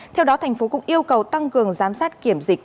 theo đó thành phố cũng yêu cầu tăng cường giám sát kiểm dịch